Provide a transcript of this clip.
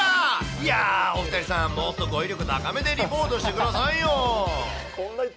いやー、お２人さん、もっと語彙力高めでリポートしてくださいよ。